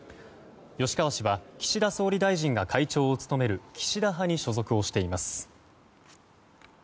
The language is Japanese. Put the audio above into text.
吉川氏は、岸田総理大臣が会長を務める岸田派に所属をしています。